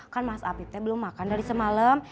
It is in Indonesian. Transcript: kan mas afitnya belum makan dari semalam